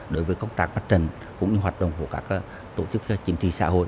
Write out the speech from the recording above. đối với công tác mặt trần cũng như hoạt động của các tổ chức chính trị xã hội